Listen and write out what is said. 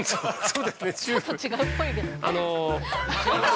あの。